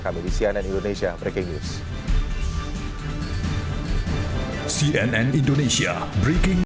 kami di cnn indonesia breaking news cnn indonesia breaking